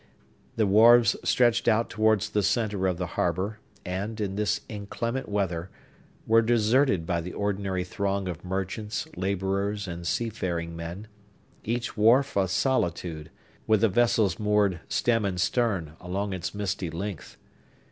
The wharves stretched out towards the centre of the harbor, and, in this inclement weather, were deserted by the ordinary throng of merchants, laborers, and sea faring men; each wharf a solitude, with the vessels moored stem and stern, along its misty length.